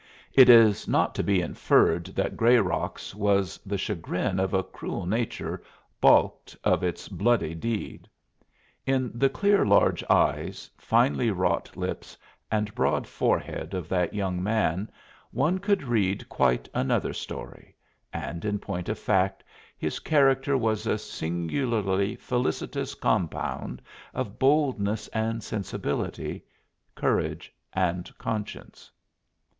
It is not to be inferred that Grayrock's was the chagrin of a cruel nature balked of its bloody deed. In the clear large eyes, finely wrought lips, and broad forehead of that young man one could read quite another story, and in point of fact his character was a singularly felicitous compound of boldness and sensibility, courage and conscience.